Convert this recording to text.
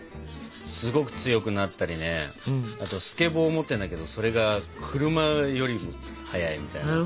すごく強くなったりねあとスケボー持ってんだけどそれが車よりも速いみたいな。